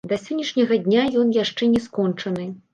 Да сённяшняга дня ён яшчэ не скончаны.